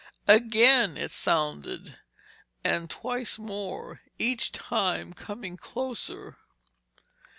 Again it sounded; and twice more, each time coming closer.